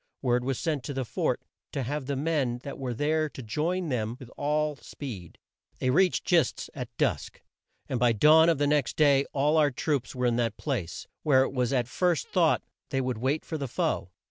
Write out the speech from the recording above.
Word was sent to the fort to have the men that were there join them with all speed. They reached Gist's at dusk, and by dawn of the next day all our troops were in that place, where it was at first thought they would wait for the foe.